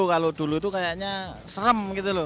kalau dulu itu kayaknya serem gitu loh